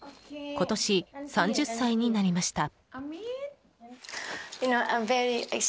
今年、３０歳になりました。